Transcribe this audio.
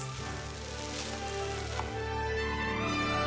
はい。